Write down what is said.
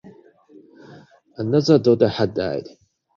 Another daughter had died.